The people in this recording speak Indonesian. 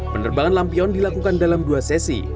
penerbangan lampion dilakukan dalam dua sesi